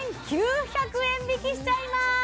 １９００円引きしちゃいまーす！